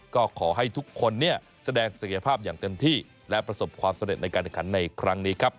ก็ขอให้ทุกคนเนี่ยแสดงศักยภาพอย่างเต็มที่และประสบความสำเร็จในการแข่งขันในครั้งนี้ครับ